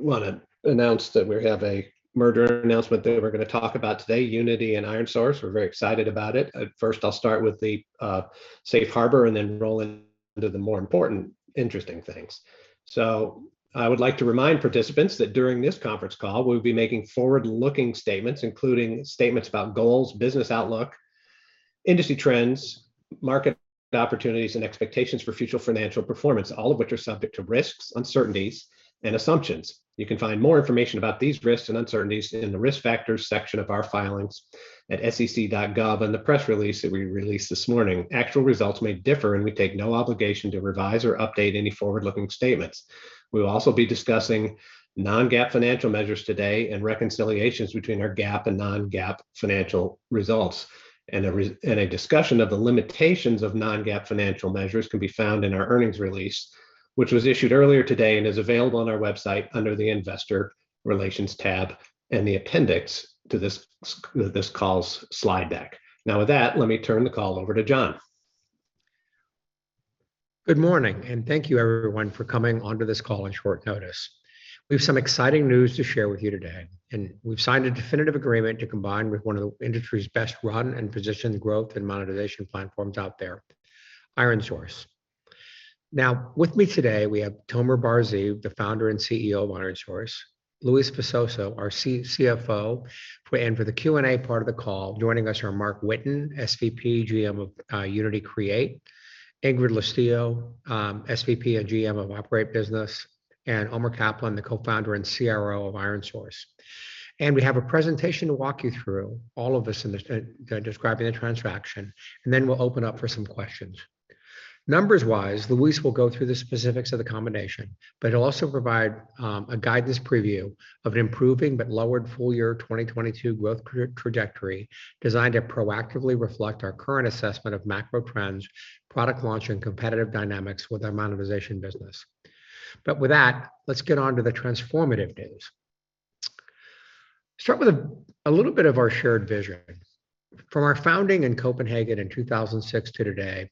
Want to announce that we have a merger announcement that we're going to talk about today, Unity and ironSource. We're very excited about it. At first, I'll start with the safe harbor and then roll into the more important, interesting things. I would like to remind participants that during this conference call, we'll be making forward-looking statements, including statements about goals, business outlook, industry trends, market opportunities, and expectations for future financial performance, all of which are subject to risks, uncertainties, and assumptions. You can find more information about these risks and uncertainties in the Risk Factors section of our filings at sec.gov and the press release that we released this morning. Actual results may differ, and we take no obligation to revise or update any forward-looking statements. We will also be discussing non-GAAP financial measures today and reconciliations between our GAAP and non-GAAP financial results. A discussion of the limitations of non-GAAP financial measures can be found in our earnings release, which was issued earlier today and is available on our website under the Investor Relations tab and the appendix to this call's slide deck. Now, with that, let me turn the call over to John. Good morning, and thank you, everyone, for coming onto this call on short notice. We have some exciting news to share with you today, and we've signed a definitive agreement to combine with one of the industry's best-run and positioned growth and monetization platforms out there, ironSource. Now, with me today, we have Tomer Bar-Zeev, the founder and CEO of ironSource, Luis Visoso, our CFO. For the Q&A part of the call, joining us are Marc Whitten, SVP & GM of Unity Create, Ingrid Lestiyo, SVP & GM of Operate Solutions, and Omer Kaplan, the co-founder and CRO of ironSource. We have a presentation to walk you through all of this describing the transaction, and then we'll open up for some questions. Numbers-wise, Luis will go through the specifics of the combination, but he'll also provide a guidance preview of an improving but lowered full-year 2022 growth trajectory designed to proactively reflect our current assessment of macro trends, product launch, and competitive dynamics with our monetization business. With that, let's get on to the transformative news. Start with a little bit of our shared vision. From our founding in Copenhagen in 2006 to today,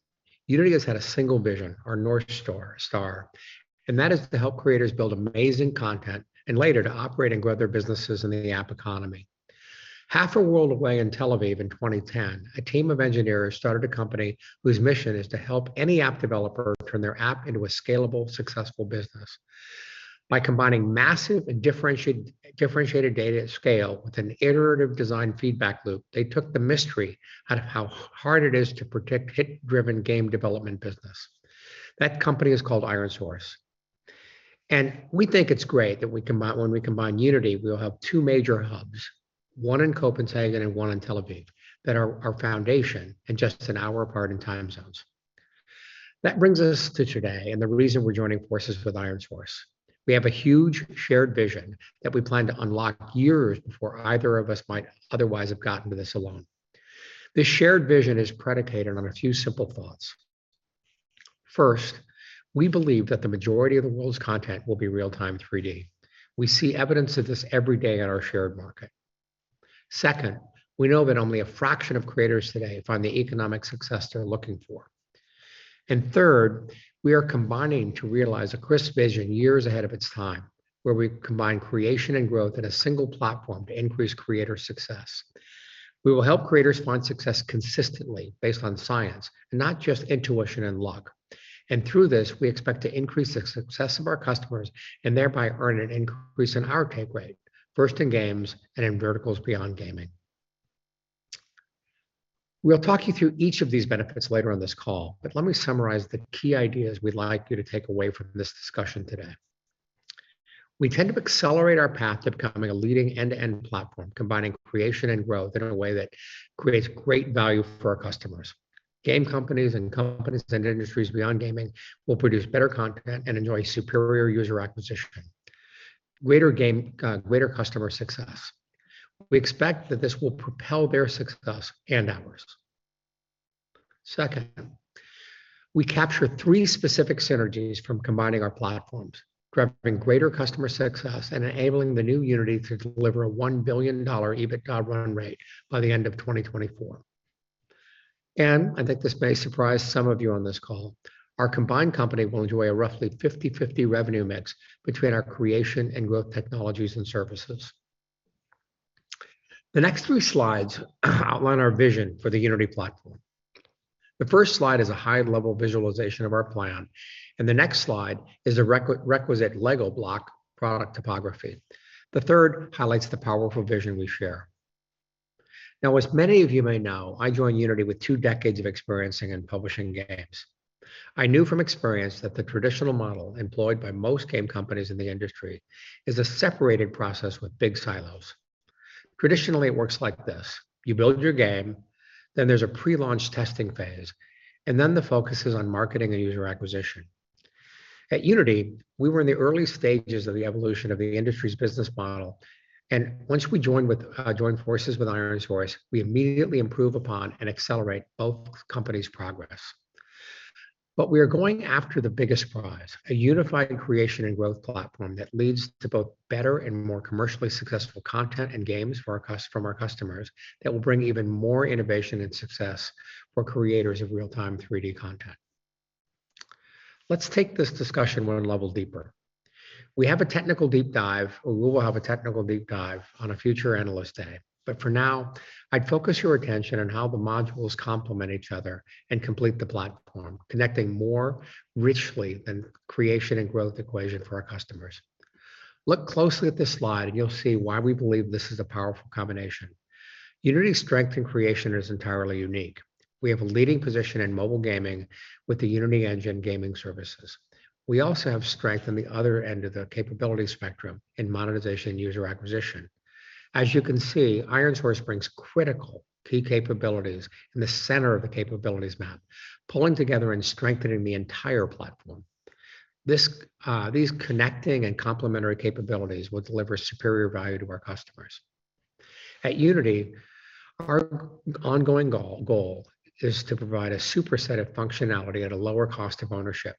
Unity has had a single vision, our North Star, and that is to help creators build amazing content and later to operate and grow their businesses in the app economy. Half a world away in Tel Aviv in 2010, a team of engineers started a company whose mission is to help any app developer turn their app into a scalable, successful business. By combining massive and differentiated data at scale with an iterative design feedback loop, they took the mystery out of how hard it is to predict hit-driven game development business. That company is called ironSource. We think it's great that when we combine Unity, we'll have two major hubs, one in Copenhagen and one in Tel Aviv, that are our foundation and just an hour apart in time zones. That brings us to today and the reason we're joining forces with ironSource. We have a huge shared vision that we plan to unlock years before either of us might otherwise have gotten to this alone. This shared vision is predicated on a few simple thoughts. First, we believe that the majority of the world's content will be real-time 3D. We see evidence of this every day in our shared market. Second, we know that only a fraction of creators today find the economic success they're looking for. Third, we are combining to realize a crisp vision years ahead of its time, where we combine creation and growth in a single platform to increase creator success. We will help creators find success consistently based on science and not just intuition and luck. Through this, we expect to increase the success of our customers and thereby earn an increase in our take rate, first in games and in verticals beyond gaming. We'll talk you through each of these benefits later on this call, but let me summarize the key ideas we'd like you to take away from this discussion today. We tend to accelerate our path to becoming a leading end-to-end platform, combining creation and growth in a way that creates great value for our customers. Game companies and companies and industries beyond gaming will produce better content and enjoy superior user acquisition, greater game, greater customer success. We expect that this will propel their success and ours. Second, we capture three specific synergies from combining our platforms, driving greater customer success and enabling the new Unity to deliver a $1 billion EBITDA run rate by the end of 2024. I think this may surprise some of you on this call. Our combined company will enjoy a roughly 50/50 revenue mix between our creation and growth technologies and services. The next three slides outline our vision for the Unity platform. The first slide is a high-level visualization of our plan, and the next slide is a requisite LEGO block product topography. The third highlights the powerful vision we share. Now, as many of you may know, I joined Unity with two decades of experience and publishing games. I knew from experience that the traditional model employed by most game companies in the industry is a separated process with big silos. Traditionally, it works like this. You build your game, then there's a pre-launch testing phase, and then the focus is on marketing and user acquisition. At Unity, we were in the early stages of the evolution of the industry's business model, and once we joined with, joined forces with ironSource, we immediately improve upon and accelerate both companies' progress. We are going after the biggest prize, a unified creation and growth platform that leads to both better and more commercially successful content and games from our customers that will bring even more innovation and success for creators of real-time 3D content. Let's take this discussion one level deeper. We have a technical deep dive, or we will have a technical deep dive on a future analyst day. For now, I'd focus your attention on how the modules complement each other and complete the platform, connecting more richly than creation and growth equation for our customers. Look closely at this slide and you'll see why we believe this is a powerful combination. Unity strength and creation is entirely unique. We have a leading position in mobile gaming with the Unity Engine Gaming Services. We also have strength on the other end of the capability spectrum in monetization and user acquisition. As you can see, ironSource brings critical key capabilities in the center of the capabilities map, pulling together and strengthening the entire platform. These connecting and complementary capabilities will deliver superior value to our customers. At Unity, our ongoing goal is to provide a super set of functionality at a lower cost of ownership.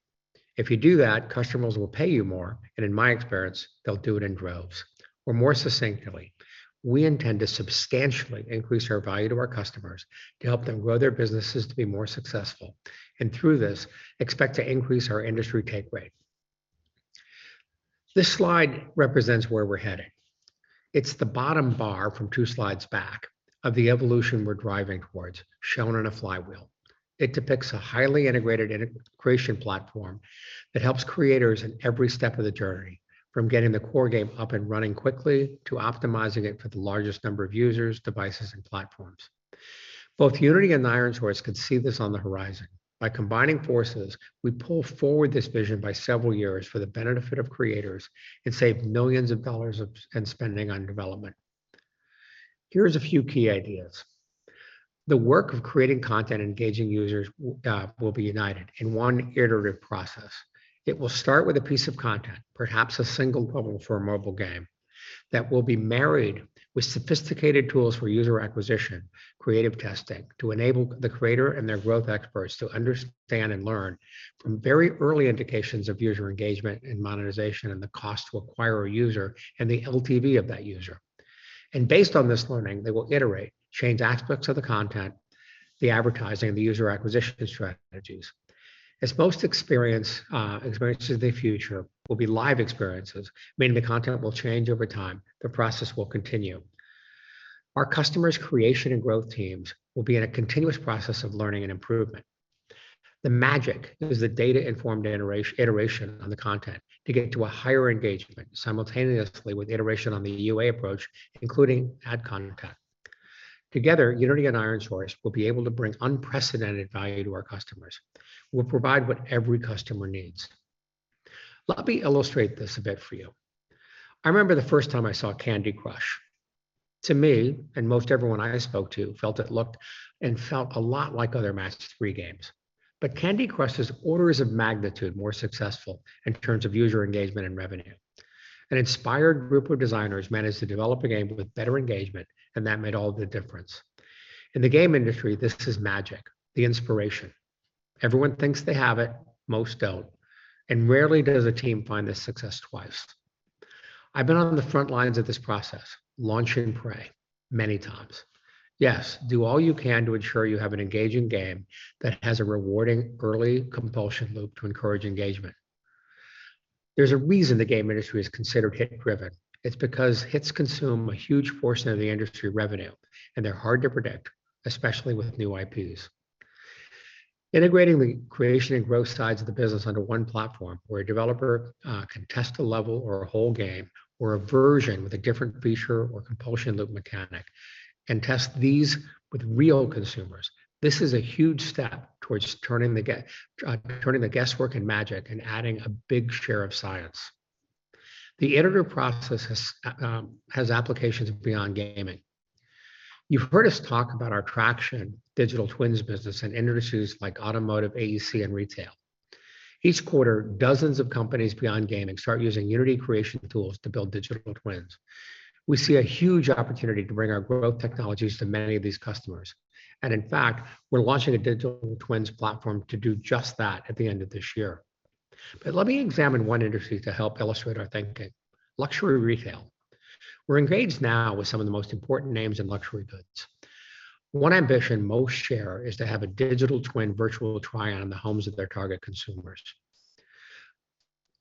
If you do that, customers will pay you more, and in my experience, they'll do it in droves. Or more succinctly, we intend to substantially increase our value to our customers to help them grow their businesses to be more successful. Through this, expect to increase our industry take rate. This slide represents where we're heading. It's the bottom bar from two slides back of the evolution we're driving towards, shown on a flywheel. It depicts a highly integrated creation platform that helps creators in every step of the journey, from getting the core game up and running quickly to optimizing it for the largest number of users, devices, and platforms. Both Unity and ironSource could see this on the horizon. By combining forces, we pull forward this vision by several years for the benefit of creators and save million of dollars in spending on development. Here's a few key ideas. The work of creating content, engaging users, will be united in one iterative process. It will start with a piece of content, perhaps a single level for a mobile game, that will be married with sophisticated tools for user acquisition, creative testing, to enable the creator and their growth experts to understand and learn from very early indications of user engagement and monetization and the cost to acquire a user and the LTV of that user. Based on this learning, they will iterate, change aspects of the content, the advertising, the user acquisition strategies. As most experiences of the future will be live experiences, meaning the content will change over time, the process will continue. Our customers' creation and growth teams will be in a continuous process of learning and improvement. The magic is the data-informed iteration on the content to get to a higher engagement simultaneously with iteration on the UA approach, including ad content. Together, Unity and ironSource will be able to bring unprecedented value to our customers, will provide what every customer needs. Let me illustrate this a bit for you. I remember the first time I saw Candy Crush. To me, and most everyone I spoke to, felt it looked and felt a lot like other match three games. Candy Crush is orders of magnitude more successful in terms of user engagement and revenue. An inspired group of designers managed to develop a game with better engagement, and that made all the difference. In the game industry, this is magic, the inspiration. Everyone thinks they have it, most don't, and rarely does a team find this success twice. I've been on the front lines of this process, launch and pray, many times. Yes, do all you can to ensure you have an engaging game that has a rewarding early compulsion loop to encourage engagement. There's a reason the game industry is considered hit-driven. It's because hits consume a huge portion of the industry revenue, and they're hard to predict, especially with new IPs. Integrating the creation and growth sides of the business under one platform where a developer can test a level or a whole game or a version with a different feature or compulsion loop mechanic can test these with real consumers. This is a huge step towards turning the guesswork and magic and adding a big share of science. The iterative process has applications beyond gaming. You've heard us talk about our traction digital twins business in industries like automotive, AEC, and retail. Each quarter, dozens of companies beyond gaming start using Unity creation tools to build digital twins. We see a huge opportunity to bring our growth technologies to many of these customers. In fact, we're launching a digital twins platform to do just that at the end of this year. Let me examine one industry to help illustrate our thinking. Luxury retail. We're engaged now with some of the most important names in luxury goods. One ambition most share is to have a digital twin virtual try-on in the homes of their target consumers.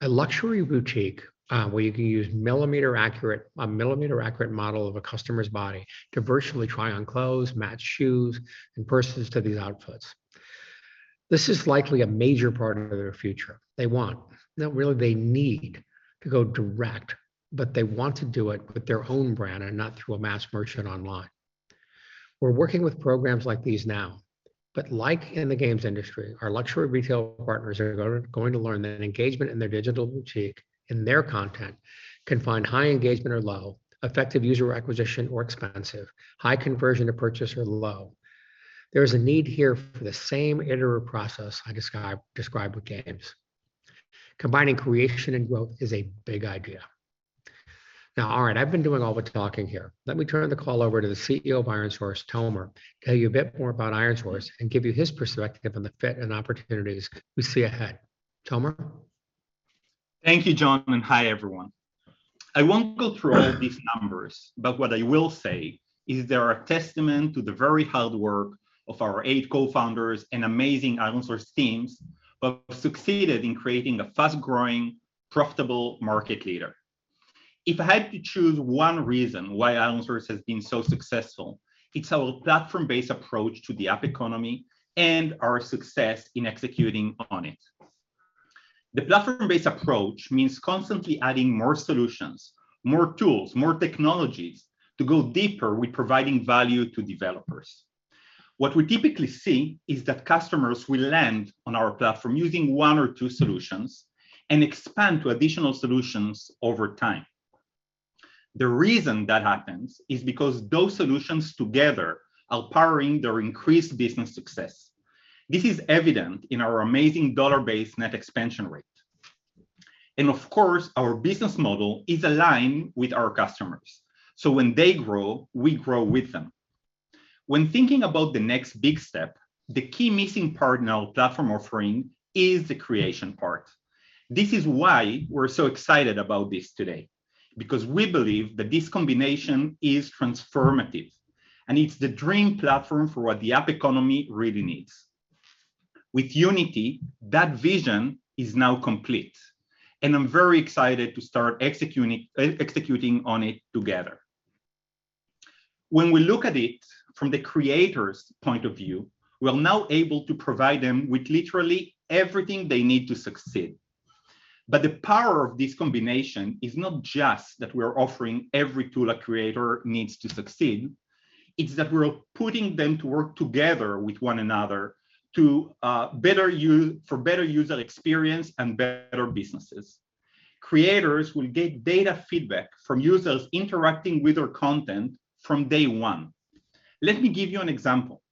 A luxury boutique where you can use a millimeter-accurate model of a customer's body to virtually try on clothes, match shoes, and purses to these outfits. This is likely a major part of their future. They want, no really they need to go direct, but they want to do it with their own brand and not through a mass merchant online. We're working with programs like these now, but like in the games industry, our luxury retail partners are going to learn that engagement in their digital boutique, in their content, can find high engagement or low, effective user acquisition or expensive, high conversion to purchase or low. There is a need here for the same iterative process I described with games. Combining creation and growth is a big idea. Now, all right, I've been doing all the talking here. Let me turn the call over to the CEO of ironSource, Tomer, tell you a bit more about ironSource and give you his perspective on the fit and opportunities we see ahead. Tomer? Thank you, John, and hi, everyone. I won't go through all these numbers, but what I will say is they are a testament to the very hard work of our eight co-founders and amazing ironSource teams that succeeded in creating a fast-growing, profitable market leader. If I had to choose one reason why ironSource has been so successful, it's our platform-based approach to the app economy and our success in executing on it. The platform-based approach means constantly adding more solutions, more tools, more technologies to go deeper with providing value to developers. What we typically see is that customers will land on our platform using one or two solutions and expand to additional solutions over time. The reason that happens is because those solutions together are powering their increased business success. This is evident in our amazing dollar-based net expansion rate. Of course, our business model is aligned with our customers, so when they grow, we grow with them. When thinking about the next big step, the key missing part in our platform offering is the creation part. This is why we're so excited about this today, because we believe that this combination is transformative, and it's the dream platform for what the app economy really needs. With Unity, that vision is now complete, and I'm very excited to start executing on it together. When we look at it from the creator's point of view, we are now able to provide them with literally everything they need to succeed. The power of this combination is not just that we're offering every tool a creator needs to succeed, it's that we're putting them to work together with one another to for better user experience and better businesses. Creators will get data feedback from users interacting with their content from day one. Let me give you an example.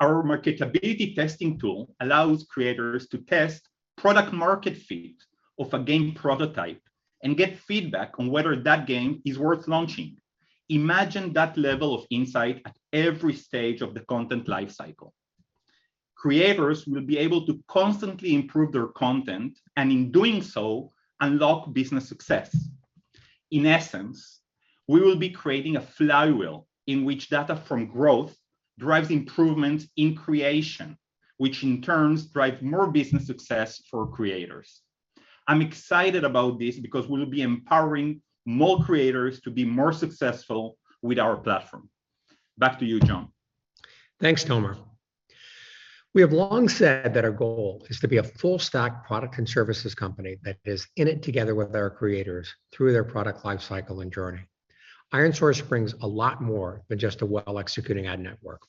Our marketability testing tool allows creators to test product market fit of a game prototype and get feedback on whether that game is worth launching. Imagine that level of insight at every stage of the content life cycle. Creators will be able to constantly improve their content, and in doing so, unlock business success. In essence, we will be creating a flywheel in which data from growth drives improvement in creation, which in turn drives more business success for creators. I'm excited about this because we'll be empowering more creators to be more successful with our platform. Back to you, John. Thanks, Tomer. We have long said that our goal is to be a full-stack product and services company that is in it together with our creators through their product life cycle and journey. IronSource brings a lot more than just a well-executing ad network.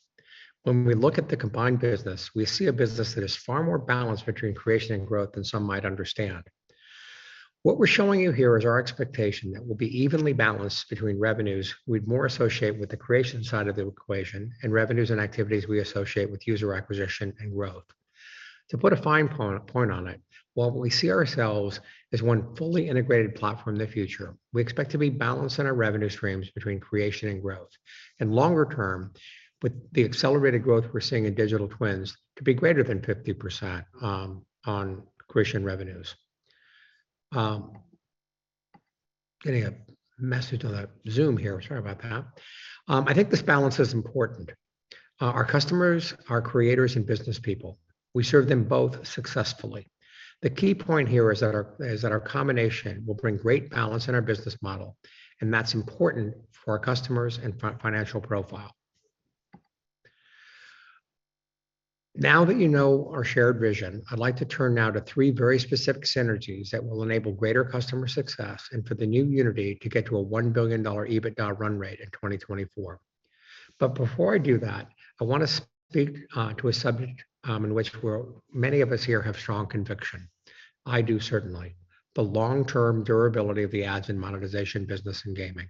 When we look at the combined business, we see a business that is far more balanced between creation and growth than some might understand. What we're showing you here is our expectation that we'll be evenly balanced between revenues we'd more associate with the creation side of the equation and revenues and activities we associate with user acquisition and growth. To put a fine point on it, while we see ourselves as one fully integrated platform in the future, we expect to be balanced in our revenue streams between creation and growth, and longer term, with the accelerated growth we're seeing in digital twins, to be greater than 50% on creation revenues. Getting a message on the Zoom here. Sorry about that. I think this balance is important. Our customers are creators and businesspeople. We serve them both successfully. The key point here is that our combination will bring great balance in our business model, and that's important for our customers and financial profile. Now that you know our shared vision, I'd like to turn now to three very specific synergies that will enable greater customer success and for the new Unity to get to a $1 billion EBITDA run rate in 2024. Before I do that, I wanna speak to a subject in which many of us here have strong conviction. I do certainly. The long-term durability of the ads and monetization business in gaming.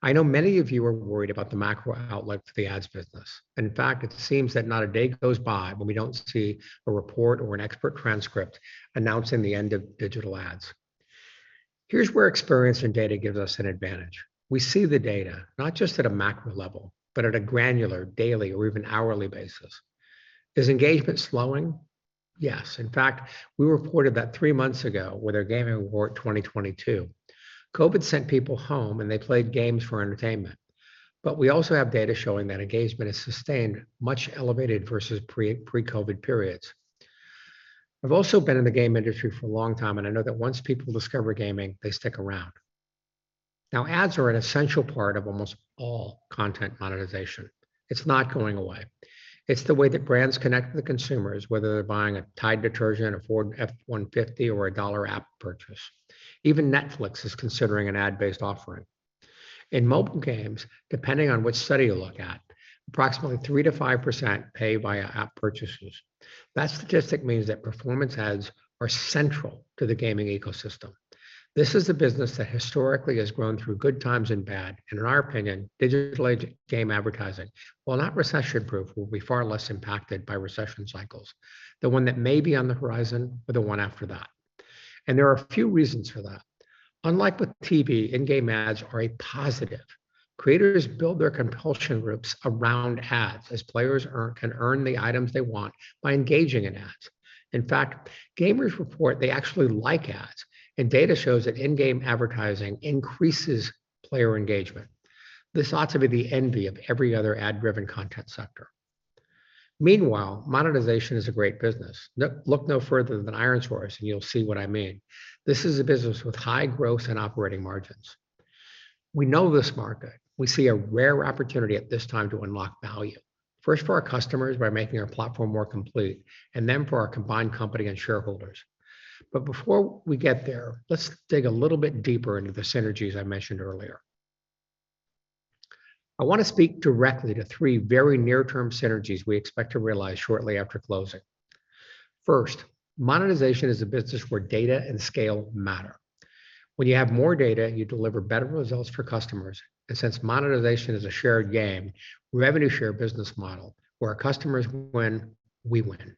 I know many of you are worried about the macro outlook for the ads business. In fact, it seems that not a day goes by when we don't see a report or an expert transcript announcing the end of digital ads. Here's where experience and data gives us an advantage. We see the data, not just at a macro level, but at a granular, daily, or even hourly basis. Is engagement slowing? Yes. In fact, we reported that three months ago with our Gaming Report 2022. COVID sent people home, and they played games for entertainment, but we also have data showing that engagement has sustained much elevated versus pre-COVID periods. I've also been in the game industry for a long time, and I know that once people discover gaming, they stick around. Now, ads are an essential part of almost all content monetization. It's not going away. It's the way that brands connect with consumers, whether they're buying a Tide detergent, a Ford F-150, or a $1 app purchase. Even Netflix is considering an ad-based offering. In mobile games, depending on which study you look at, approximately 3%-5% pay via app purchases. That statistic means that performance ads are central to the gaming ecosystem. This is a business that historically has grown through good times and bad, and in our opinion, digital age game advertising, while not recession-proof, will be far less impacted by recession cycles, the one that may be on the horizon or the one after that, and there are a few reasons for that. Unlike with TV, in-game ads are a positive. Creators build their compulsion loops around ads, as players can earn the items they want by engaging in ads. In fact, gamers report they actually like ads, and data shows that in-game advertising increases player engagement. This ought to be the envy of every other ad-driven content sector. Meanwhile, monetization is a great business. Look no further than ironSource, and you'll see what I mean. This is a business with high growth and operating margins. We know this market. We see a rare opportunity at this time to unlock value, first for our customers by making our platform more complete, and then for our combined company and shareholders. Before we get there, let's dig a little bit deeper into the synergies I mentioned earlier. I want to speak directly to three very near-term synergies we expect to realize shortly after closing. First, monetization is a business where data and scale matter. When you have more data, you deliver better results for customers, and since monetization is a shared game revenue share business model where our customers win, we win.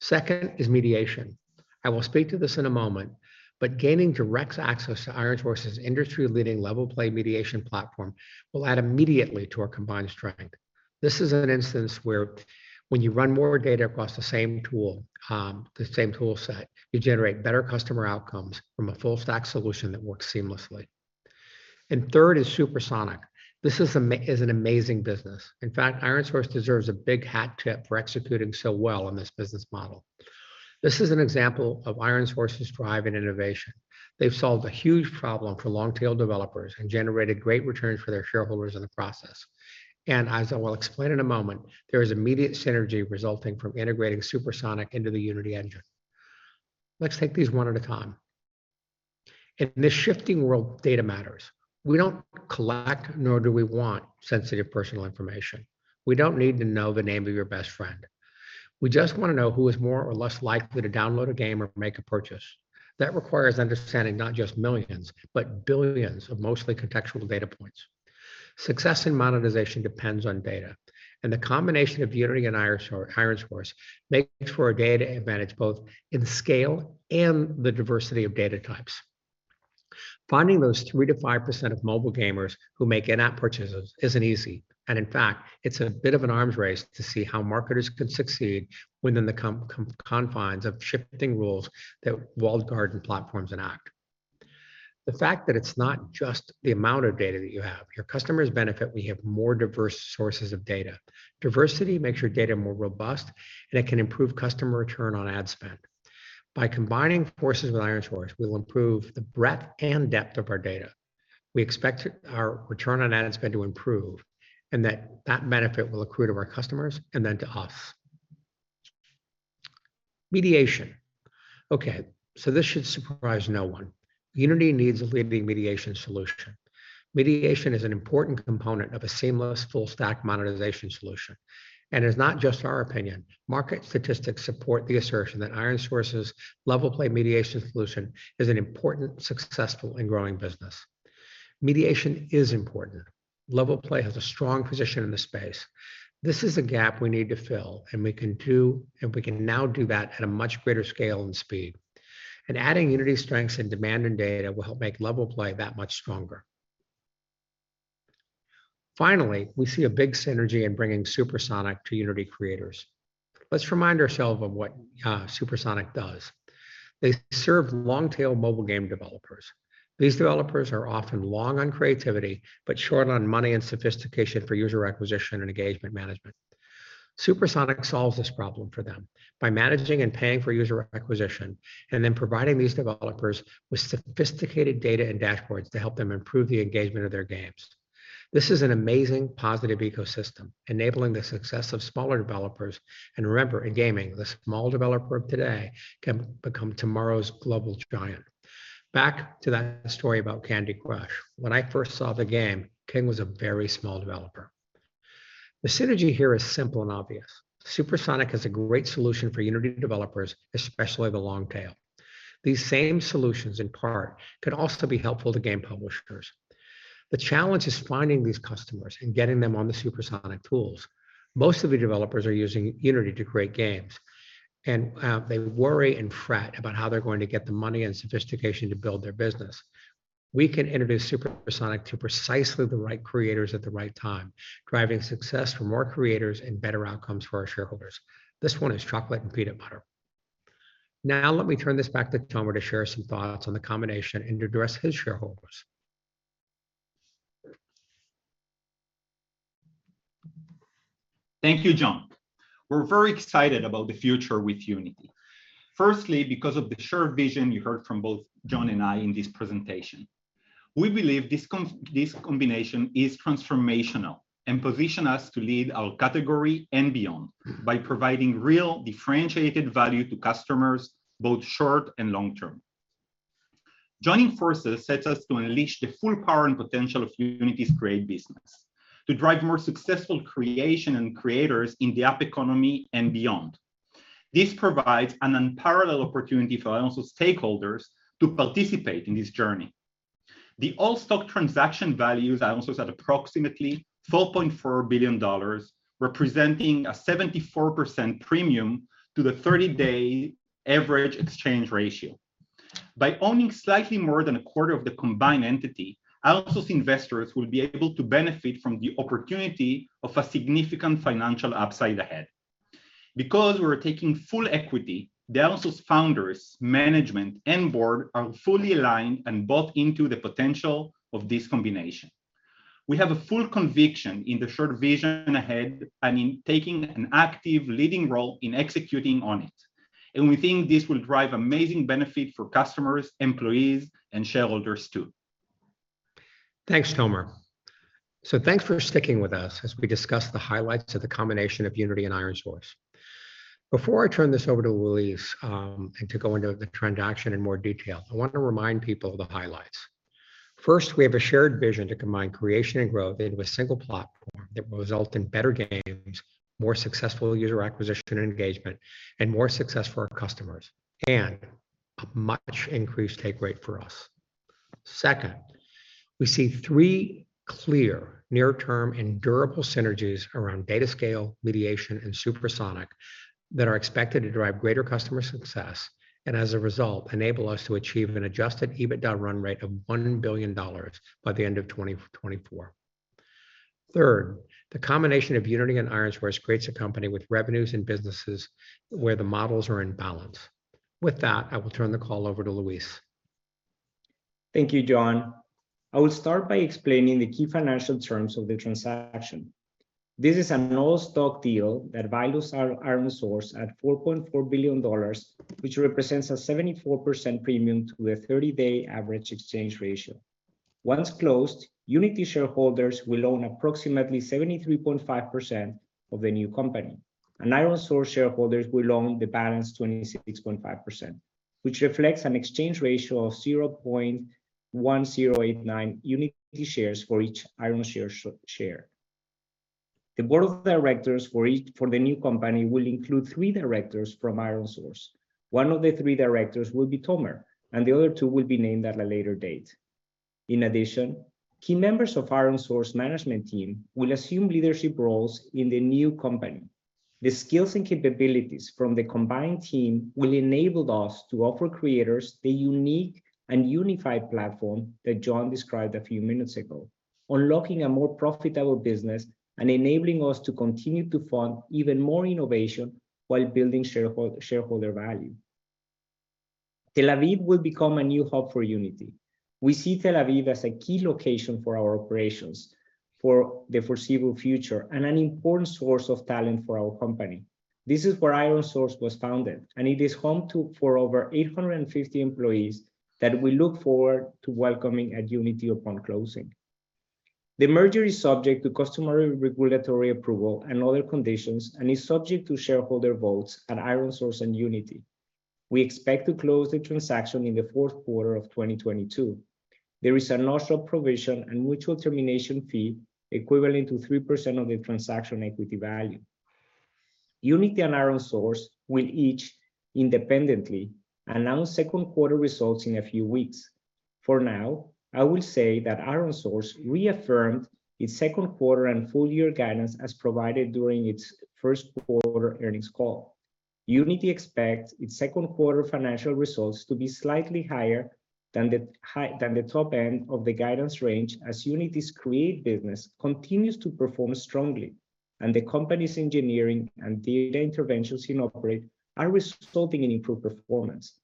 Second is mediation. I will speak to this in a moment, but gaining direct access to ironSource's industry-leading LevelPlay mediation platform will add immediately to our combined strength. This is an instance where when you run more data across the same tool, the same tool set, you generate better customer outcomes from a full stack solution that works seamlessly. Third is Supersonic. This is an amazing business. In fact, ironSource deserves a big hat tip for executing so well on this business model. This is an example of ironSource's drive and innovation. They've solved a huge problem for long-tail developers and generated great returns for their shareholders in the process. As I will explain in a moment, there is immediate synergy resulting from integrating Supersonic into the Unity Engine. Let's take these one at a time. In this shifting world, data matters. We don't collect, nor do we want sensitive personal information. We don't need to know the name of your best friend. We just want to know who is more or less likely to download a game or make a purchase. That requires understanding not just millions, but billions of mostly contextual data points. Success in monetization depends on data. The combination of Unity and ironSource makes for a data advantage both in scale and the diversity of data types. Finding those 3%-5% of mobile gamers who make in-app purchases isn't easy. In fact, it's a bit of an arms race to see how marketers can succeed within the confines of shifting rules that walled garden platforms enact. The fact that it's not just the amount of data that you have, your customers benefit when you have more diverse sources of data. Diversity makes your data more robust, and it can improve customer return on ad spend. By combining forces with ironSource, we'll improve the breadth and depth of our data. We expect our return on ad spend to improve, and that benefit will accrue to our customers and then to us. Mediation. Okay, so this should surprise no one. Unity needs a leading mediation solution. Mediation is an important component of a seamless full stack monetization solution, and it's not just our opinion. Market statistics support the assertion that ironSource's LevelPlay mediation solution is an important, successful, and growing business. Mediation is important. LevelPlay has a strong position in the space. This is a gap we need to fill, and we can now do that at a much greater scale and speed. Adding Unity strengths and demand and data will help make LevelPlay that much stronger. Finally, we see a big synergy in bringing Supersonic to Unity creators. Let's remind ourselves of what Supersonic does. They serve long-tail mobile game developers. These developers are often long on creativity but short on money and sophistication for user acquisition and engagement management. Supersonic solves this problem for them by managing and paying for user acquisition and then providing these developers with sophisticated data and dashboards to help them improve the engagement of their games. This is an amazing positive ecosystem, enabling the success of smaller developers. Remember, in gaming, the small developer of today can become tomorrow's global giant. Back to that story about Candy Crush. When I first saw the game, King was a very small developer. The synergy here is simple and obvious. Supersonic is a great solution for Unity developers, especially the long tail. These same solutions, in part, could also be helpful to game publishers. The challenge is finding these customers and getting them on the Supersonic tools. Most of the developers are using Unity to create games, and they worry and fret about how they're going to get the money and sophistication to build their business. We can introduce Supersonic to precisely the right creators at the right time, driving success for more creators and better outcomes for our shareholders. This one is chocolate and peanut butter. Now let me turn this back to Tomer to share some thoughts on the combination and to address his shareholders. Thank you, John. We're very excited about the future with Unity. Firstly, because of the shared vision you heard from both John and I in this presentation. We believe this combination is transformational and position us to lead our category and beyond by providing real differentiated value to customers, both short and long term. Joining forces sets us to unleash the full power and potential of Unity's great business, to drive more successful creation and creators in the app economy and beyond. This provides an unparalleled opportunity for ironSource stakeholders to participate in this journey. The all-stock transaction value of ironSource at approximately $4.4 billion, representing a 74% premium to the 30-day average exchange ratio. By owning slightly more than a quarter of the combined entity, our close investors will be able to benefit from the opportunity of a significant financial upside ahead. Because we're taking full equity, the ironSource founders, management, and board are fully aligned and bought into the potential of this combination. We have a full conviction in the shared vision ahead and in taking an active leading role in executing on it. We think this will drive amazing benefit for customers, employees, and shareholders too. Thanks, Tomer. Thanks for sticking with us as we discuss the highlights of the combination of Unity and ironSource. Before I turn this over to Luis and to go into the transaction in more detail, I want to remind people of the highlights. First, we have a shared vision to combine creation and growth into a single platform that will result in better games, more successful user acquisition and engagement, and more success for our customers, and a much increased take rate for us. Second, we see three clear near-term and durable synergies around data scale, mediation, and Supersonic that are expected to drive greater customer success, and as a result, enable us to achieve an adjusted EBITDA run rate of $1 billion by the end of 2024. Third, the combination of Unity and ironSource creates a company with revenues and businesses where the models are in balance. With that, I will turn the call over to Luis. Thank you, John. I will start by explaining the key financial terms of the transaction. This is an all-stock deal that values our ironSource at $4.4 billion, which represents a 74% premium to the thirty-day average exchange ratio. Once closed, Unity shareholders will own approximately 73.5% of the new company, and ironSource shareholders will own the balance 26.5%, which reflects an exchange ratio of 0.1089 Unity shares for each ironSource share. The board of directors for the new company will include three directors from ironSource. One of the three directors will be Tomer, and the other two will be named at a later date. In addition, key members of ironSource management team will assume leadership roles in the new company. The skills and capabilities from the combined team will enable us to offer creators the unique and unified platform that John described a few minutes ago, unlocking a more profitable business and enabling us to continue to fund even more innovation while building shareholder value. Tel Aviv will become a new hub for Unity. We see Tel Aviv as a key location for our operations for the foreseeable future and an important source of talent for our company. This is where ironSource was founded, and it is home to over 850 employees that we look forward to welcoming at Unity upon closing. The merger is subject to customary regulatory approval and other conditions and is subject to shareholder votes at ironSource and Unity. We expect to close the transaction in the fourth quarter of 2022. There is a no-shop provision and mutual termination fee equivalent to 3% of the transaction equity value. Unity and ironSource will each independently announce second quarter results in a few weeks. For now, I will say that ironSource reaffirmed its second quarter and full year guidance as provided during its first quarter earnings call. Unity expects its second quarter financial results to be slightly higher than the top end of the guidance range as Unity's Create business continues to perform strongly, and the company's engineering and data interventions in Operate are resulting in improved performance.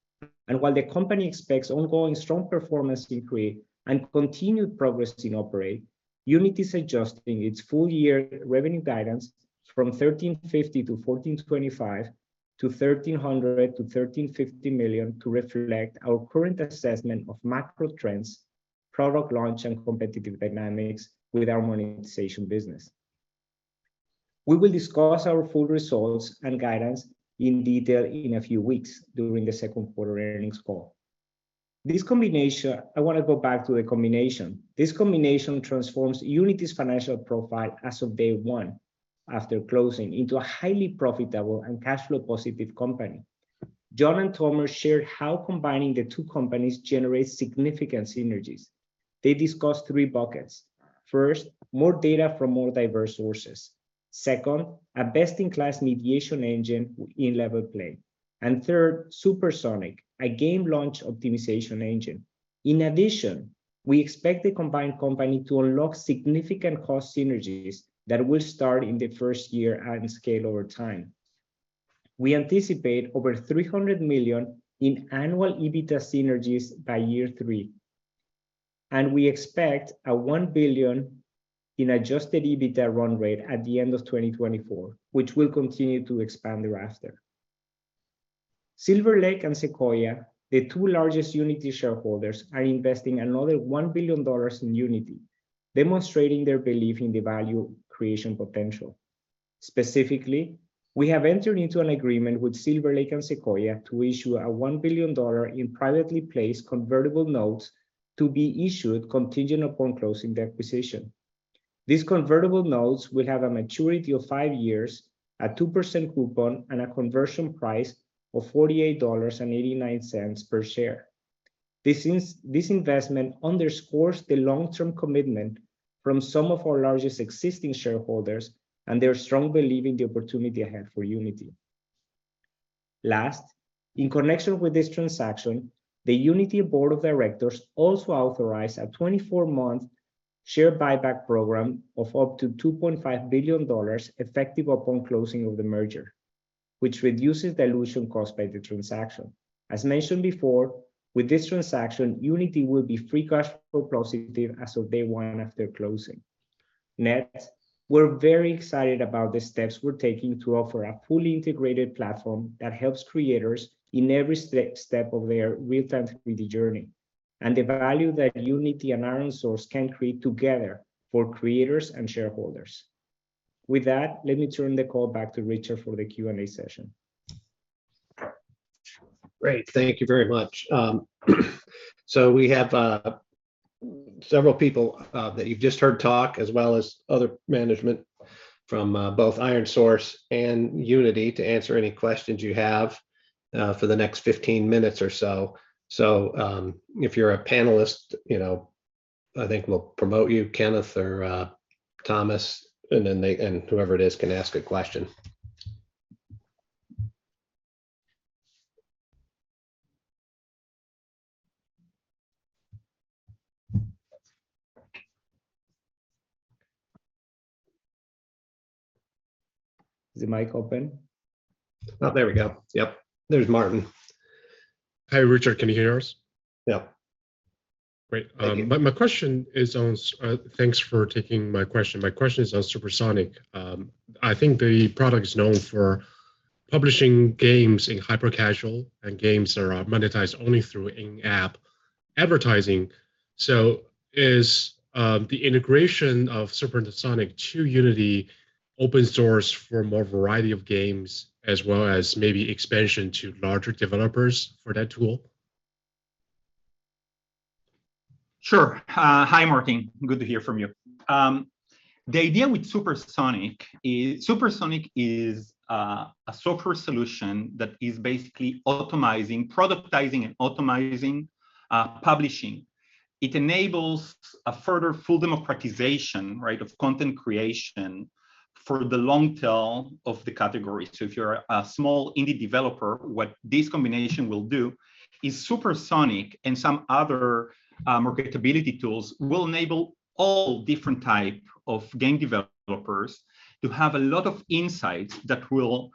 While the company expects ongoing strong performance in Create and continued progress in Operate, Unity is adjusting its full year revenue guidance from $13.5 million-$14.25 million to $13 million-$13.5 million to reflect our current assessment of macro trends, product launch, and competitive dynamics with our monetization business. We will discuss our full results and guidance in detail in a few weeks during the second quarter earnings call. This combination, I wanna go back to the combination. This combination transforms Unity's financial profile as of day one after closing into a highly profitable and cash flow positive company. John and Tomer shared how combining the two companies generates significant synergies. They discussed three buckets. First, more data from more diverse sources. Second, a best-in-class mediation engine in LevelPlay. Third, Supersonic, a game launch optimization engine. In addition, we expect the combined company to unlock significant cost synergies that will start in the first year and scale over time. We anticipate over $300 million in annual EBITDA synergies by year three, and we expect $1 billion in adjusted EBITDA run rate at the end of 2024, which will continue to expand thereafter. Silver Lake and Sequoia Capital, the two largest Unity shareholders, are investing another $1 billion in Unity, demonstrating their belief in the value creation potential. Specifically, we have entered into an agreement with Silver Lake and Sequoia Capital to issue $1 billion in privately placed convertible notes to be issued contingent upon closing the acquisition. These convertible notes will have a maturity of five years, a 2% coupon, and a conversion price of $48.89 per share. This investment underscores the long-term commitment from some of our largest existing shareholders and their strong belief in the opportunity ahead for Unity. Last, in connection with this transaction, the Unity board of directors also authorized a 24-month share buyback program of up to $2.5 billion effective upon closing of the merger, which reduces dilution caused by the transaction. As mentioned before, with this transaction, Unity will be free cash flow positive as of day one after closing. Next, we're very excited about the steps we're taking to offer a fully integrated platform that helps creators in every step of their real-time 3D journey, and the value that Unity and ironSource can create together for creators and shareholders. With that, let me turn the call back to Richard for the Q&A session. Great. Thank you very much. We have several people that you've just heard talk, as well as other management from both ironSource and Unity to answer any questions you have for the next 15 minutes or so. If you're a panelist, you know, I think we'll promote you, Kenneth or Thomas, and then they, and whoever it is can ask a question. Is the mic open? Oh, there we go. Yep, there's Martin. Hey, Richard, can you hear us? Yeah. Great. Thank you. Thanks for taking my question. My question is on Supersonic. I think the product is known for publishing games in hyper-casual, and games that are monetized only through in-app advertising. Is the integration of Supersonic to Unity open source for more variety of games as well as maybe expansion to larger developers for that tool? Sure. Hi, Martin. Good to hear from you. The idea with Supersonic is Supersonic is a software solution that is basically automating, productizing and automating publishing. It enables a further full democratization, right, of content creation for the long tail of the category. If you're a small indie developer, what this combination will do is Supersonic and some other marketability tools will enable all different type of game developers to have a lot of insights that will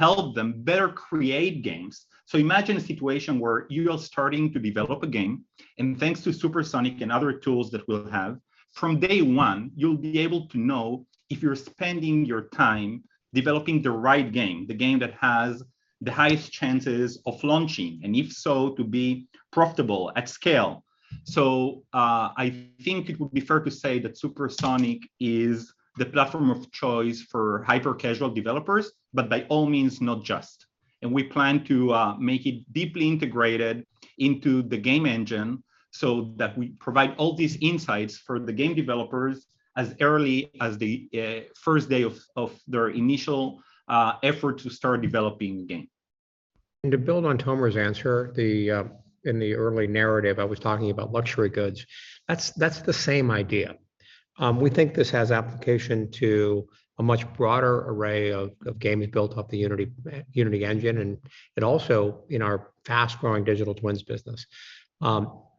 help them better create games. Imagine a situation where you are starting to develop a game, and thanks to Supersonic and other tools that we'll have, from day one, you'll be able to know if you're spending your time developing the right game, the game that has the highest chances of launching, and if so, to be profitable at scale. I think it would be fair to say that Supersonic is the platform of choice for hyper-casual developers, but by all means, not just. We plan to make it deeply integrated into the game engine so that we provide all these insights for the game developers as early as the first day of their initial effort to start developing the game. To build on Tomer's answer, in the early narrative, I was talking about luxury goods. That's the same idea. We think this has application to a much broader array of gaming built off the Unity Engine, and it also in our fast-growing digital twins business.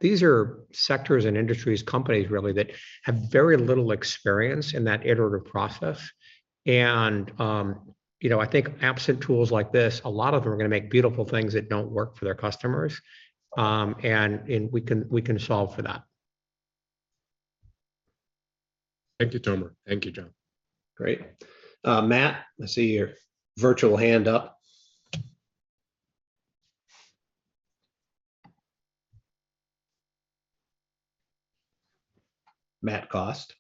These are sectors and industries, companies really, that have very little experience in that iterative process. You know, I think absent tools like this, a lot of them are gonna make beautiful things that don't work for their customers. We can solve for that. Thank you, Tomer. Thank you, John. Great. Matt, I see your virtual hand up. Matthew Cost?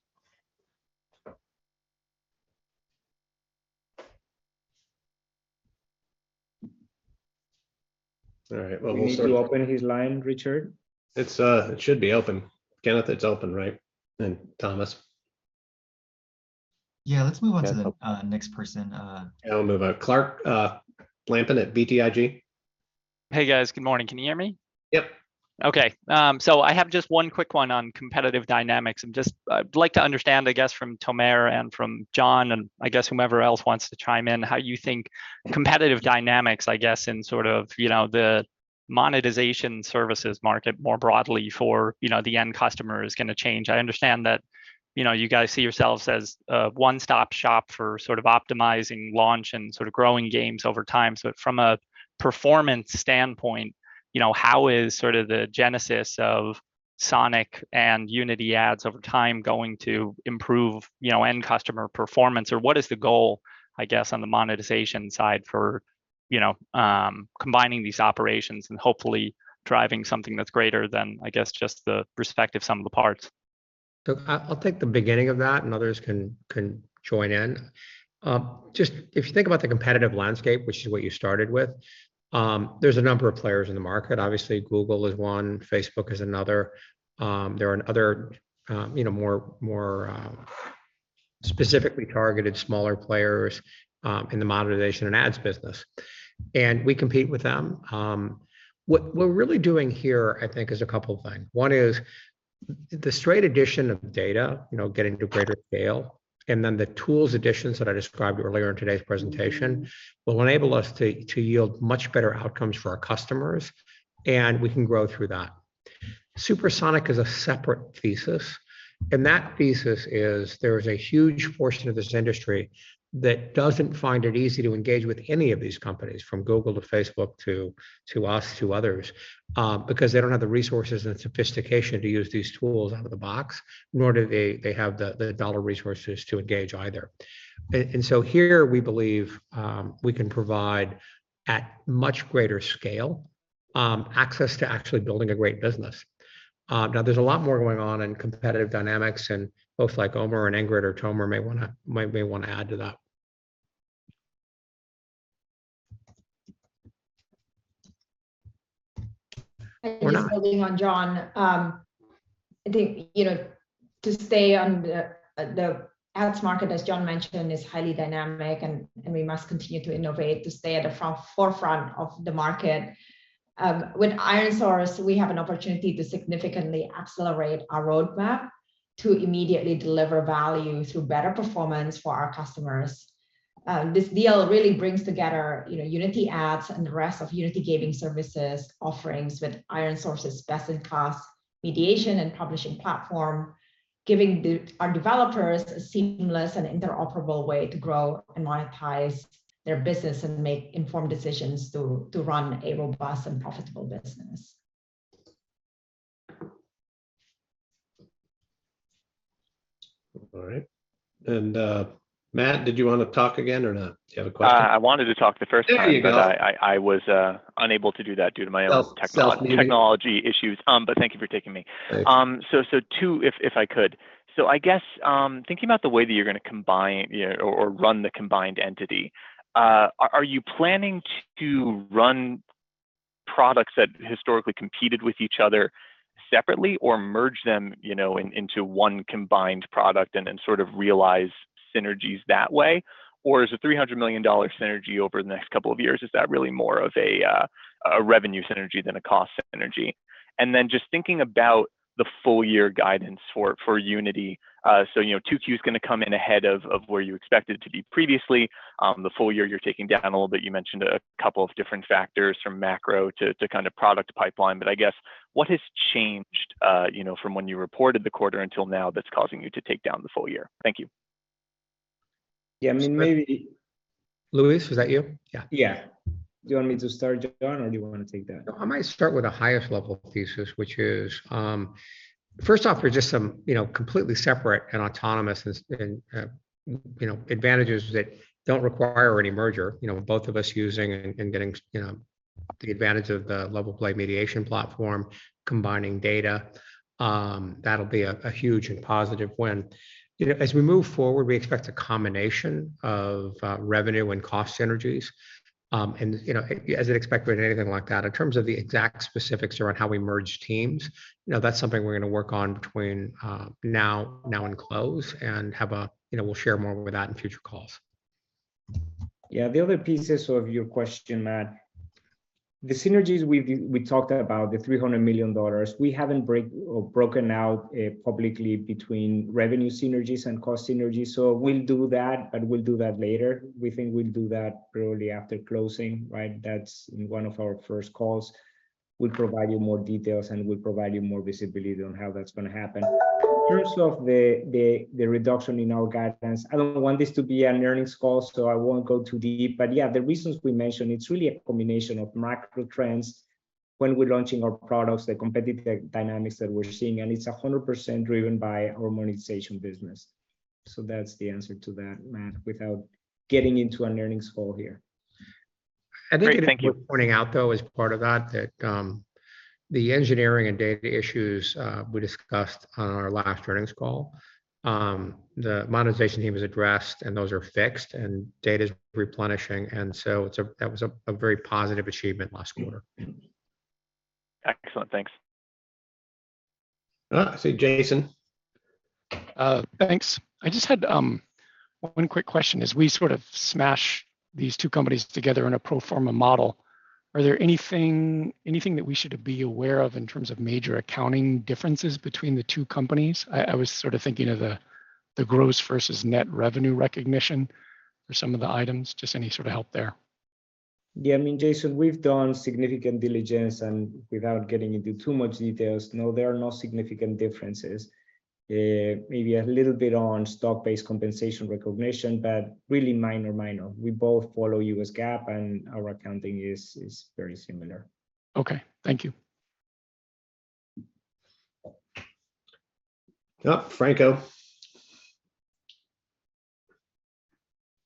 All right. Well, we'll start. You need to open his line, Richard. It's, it should be open. Kenneth, it's open, right? Thomas. Yeah, let's move on to the. Okay Next person. Yeah, we'll move, Clark Lampen at BTIG. Hey, guys. Good morning. Can you hear me? Yep. Okay. I have just one quick one on competitive dynamics and just I'd like to understand, I guess, from Tomer and from John, and I guess whomever else wants to chime in, how you think competitive dynamics, I guess, in sort of, you know, the monetization services market more broadly for, you know, the end customer is gonna change. I understand that, you know, you guys see yourselves as a one-stop shop for sort of optimizing launch and sort of growing games over time. From a performance standpoint, you know, how is sort of the genesis of Supersonic and Unity Ads over time going to improve, you know, end customer performance? Or what is the goal, I guess, on the monetization side for, you know, combining these operations and hopefully driving something that's greater than, I guess, just the respective sum of the parts? I'll take the beginning of that, and others can join in. Just if you think about the competitive landscape, which is what you started with, there's a number of players in the market. Obviously, Google is one. Facebook is another. There are other, you know, more specifically targeted smaller players in the monetization and ads business, and we compete with them. What we're really doing here, I think, is a couple things. One is the straight addition of data, you know, getting to greater scale, and then the tools additions that I described earlier in today's presentation will enable us to yield much better outcomes for our customers, and we can grow through that. Supersonic is a separate thesis, and that thesis is there is a huge portion of this industry that doesn't find it easy to engage with any of these companies from Google to Facebook to us to others, because they don't have the resources and sophistication to use these tools out of the box, nor do they have the dollar resources to engage either. Here we believe we can provide at much greater scale access to actually building a great business. Now there's a lot more going on in competitive dynamics and both like Omer and Ingrid or Tomer may wanna add to that? Or not. Building on John, I think, you know, to stay on the ads market as John mentioned, is highly dynamic and we must continue to innovate to stay at the forefront of the market. With ironSource, we have an opportunity to significantly accelerate our roadmap to immediately deliver value through better performance for our customers. This deal really brings together, you know, Unity Ads and the rest of Unity Gaming Services offerings with ironSource's best-in-class mediation and publishing platform, giving our developers a seamless and interoperable way to grow and monetize their business and make informed decisions to run a robust and profitable business. All right. Matt, did you wanna talk again or not? Do you have a question? I wanted to talk the first time. There you go. I was unable to do that due to my own tech- Oh, self-muting. technology issues. Thank you for taking me. Okay. Two, if I could. I guess thinking about the way that you're gonna combine, you know, or run the combined entity, are you planning to run products that historically competed with each other separately or merge them, you know, into one combined product and then sort of realize synergies that way? Or is a $300 million synergy over the next couple of years, is that really more of a revenue synergy than a cost synergy? Then just thinking about the full year guidance for Unity. 2Q is gonna come in ahead of where you expected to be previously. The full year you're taking down a little bit. You mentioned a couple of different factors from macro to kind of product pipeline, but I guess what has changed, you know, from when you reported the quarter until now that's causing you to take down the full year? Thank you. Yeah. I mean, maybe. Luis, was that you? Yeah. Yeah. Do you want me to start, John, or do you wanna take that? I might start with the highest level thesis, which is, first off, there's just some, you know, completely separate and autonomous and advantages that don't require any merger. You know, both of us using and getting, you know, the advantage of the LevelPlay mediation platform, combining data, that'll be a huge and positive win. You know, as we move forward, we expect a combination of revenue and cost synergies. You know, as you'd expect with anything like that, in terms of the exact specifics around how we merge teams, you know, that's something we're gonna work on between now and close. You know, we'll share more with that in future calls. Yeah. The other pieces of your question, Matt. The synergies we've talked about, the $300 million, we haven't broken out publicly between revenue synergies and cost synergies, so we'll do that, but we'll do that later. We think we'll do that probably after closing, right? That's in one of our first calls. We'll provide you more details, and we'll provide you more visibility on how that's gonna happen. In terms of the reduction in our guidance, I don't want this to be an earnings call, so I won't go too deep. Yeah, the reasons we mentioned, it's really a combination of macro trends when we're launching our products, the competitive dynamics that we're seeing, and it's 100% driven by our monetization business. That's the answer to that, Matt, without getting into an earnings call here. Great. Thank you. I think it is worth pointing out though as part of that the engineering and data issues we discussed on our last earnings call, the monetization team has addressed, and those are fixed and data is replenishing. That was a very positive achievement last quarter. Excellent. Thanks. I see Jason. Thanks. I just had one quick question. As we sort of smash these two companies together in a pro forma model, are there anything that we should be aware of in terms of major accounting differences between the two companies? I was sort of thinking of the gross versus net revenue recognition for some of the items. Just any sort of help there. Yeah, I mean, Jason, we've done significant diligence, and without getting into too much details, no, there are no significant differences. Maybe a little bit on stock-based compensation recognition, but really minor. We both follow U.S. GAAP, and our accounting is very similar. Okay. Thank you. Oh, Franco.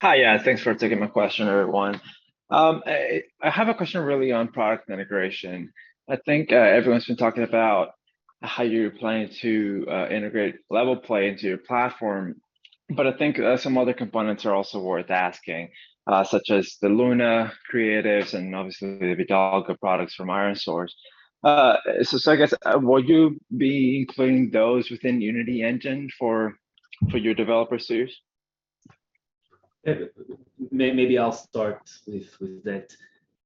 Hi, yeah. Thanks for taking my question, everyone. I have a question really on product integration. I think, everyone's been talking about how you're planning to integrate LevelPlay into your platform, but I think, some other components are also worth asking, such as the Luna creatives and obviously the Bidalgo products from ironSource. I guess, will you be including those within Unity Engine for your developer suite? Maybe I'll start with that.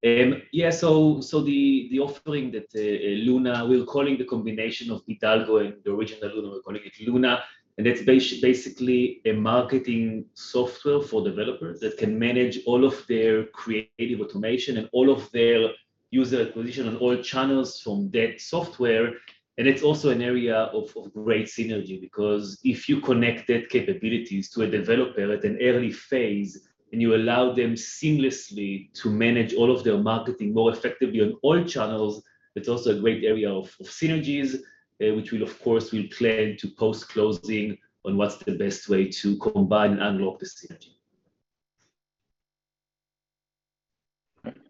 Yeah, the offering that Luna. We're calling the combination of Bidalgo and the original Luna, we're calling it Luna, and it's basically a marketing software for developers that can manage all of their creative automation and all of their user acquisition on all channels from that software. It's also an area of great synergy, because if you connect that capabilities to a developer at an early phase, and you allow them seamlessly to manage all of their marketing more effectively on all channels, it's also a great area of synergies, which we'll of course plan to post-closing on what's the best way to combine and unlock the synergy.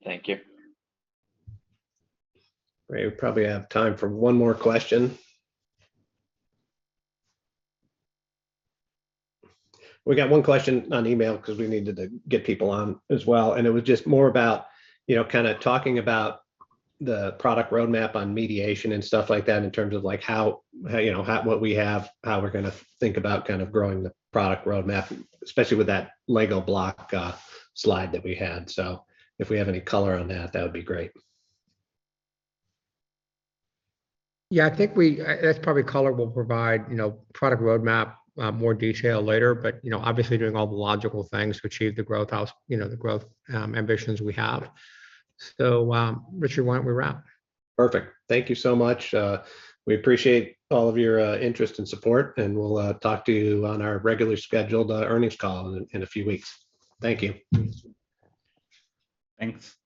Thank you. Great. We probably have time for one more question. We got one question on email, 'cause we needed to get people on as well, and it was just more about, you know, kinda talking about the product roadmap on mediation and stuff like that in terms of like what we have, how we're gonna think about kind of growing the product roadmap, especially with that Lego block slide that we had. If we have any color on that would be great. Yeah, I think that's probably color we'll provide, you know, product roadmap, more detail later, but, you know, obviously doing all the logical things to achieve the growth goals, you know, the growth ambitions we have. Richard, why don't we wrap? Perfect. Thank you so much. We appreciate all of your interest and support, and we'll talk to you on our regularly scheduled earnings call in a few weeks. Thank you. Thanks.